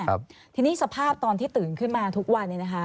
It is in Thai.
รู้สึกสภาพตอนที่ตื่นขึ้นมาทุกวัน